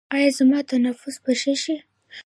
ایا زما تنفس به ښه شي؟